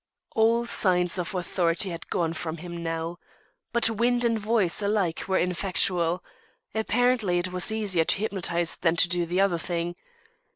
All signs of "authority" had gone from him now. But wind and voice alike were ineffectual. Apparently it was easier to hypnotise than to do the other thing.